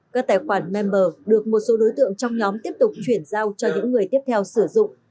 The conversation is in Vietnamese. các tài khoản member được một số đối tượng trong nhóm tiếp tục chuyển giao cho những người tiếp theo sử dụng